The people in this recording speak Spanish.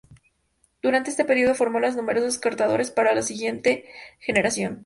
Durante este periodo, formó a numerosos cortadores para la siguiente generación.